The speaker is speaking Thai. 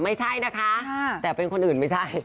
ไม่ใช่นะคะแต่เป็นคนอื่นไม่ใช่